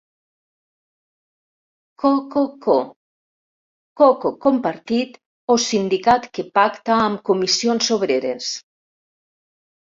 Cococo: coco compartit o sindicat que pacta amb Comissions Obreres.